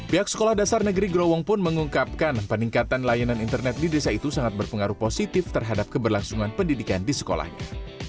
pihak sekolah dasar negeri growong pun mengungkapkan peningkatan layanan internet di desa itu sangat berpengaruh positif terhadap keberlangsungan pendidikan di sekolahnya